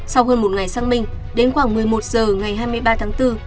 sau hơn một ngày xăng minh đến khoảng một mươi một giờ ngày hai mươi ba tháng bốn